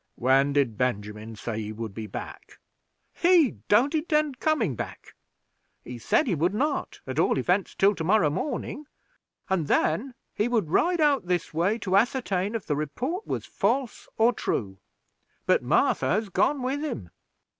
"When did Benjamin say he would be back?" "He don't intend coming back. He said he would not, at all events, till to morrow morning, and then he would ride out this way, to ascertain if the report was false or true. But Martha has gone with him."